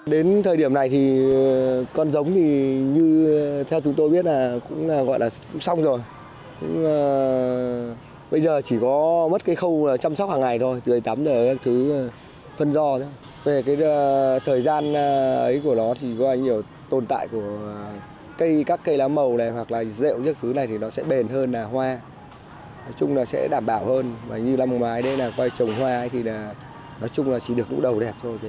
sẽ đảm bảo hơn như năm mai đấy là quay trồng hoa thì nói chung là chỉ được nụ đầu đẹp thôi